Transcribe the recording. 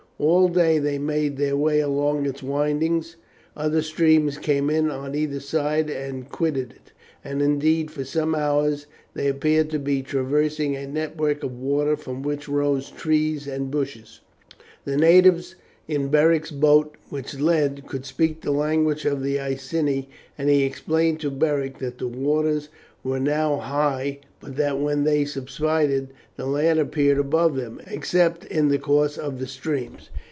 All day they made their way along its windings; other streams came in on either side or quitted it; and, indeed, for some hours they appeared to be traversing a network of water from which rose trees and bushes. The native in Beric's boat, which led, could speak the language of the Iceni, and he explained to Beric that the waters were now high, but that when they subsided the land appeared above them, except in the course of the streams.